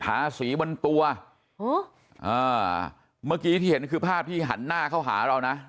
ทาสีบนตัวอ่าเมื่อกี้ที่เห็นคือภาพที่หันหน้าเข้าหาเรานะ